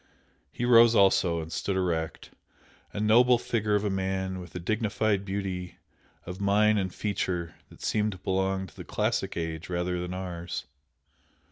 He rose also and stood erect, a noble figure of a man with a dignified beauty of mien and feature that seemed to belong to the classic age rather than ours.